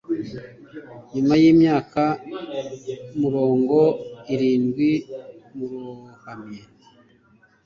nyuma y'imyaka murongo irindwi burohamye.